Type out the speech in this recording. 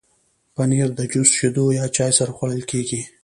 پنېر د جوس، شیدو یا چای سره خوړل کېږي.